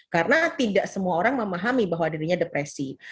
karena tidak semua orang memahami bahwa dirinya depresi